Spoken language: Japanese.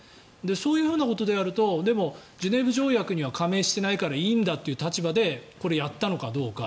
そういうことであるとジュネーブ条約には加盟していないんだからいいんだという立場でこれはやったのかどうか。